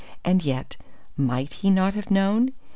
And yet, might he not have known?